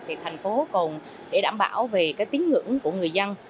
thì thành phố còn để đảm bảo về cái tiếng ngưỡng của người dân